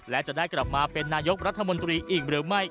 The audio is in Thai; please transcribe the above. และจะได้กลับมาเป็นนายกรัฐมนตรีอีกหรือไม่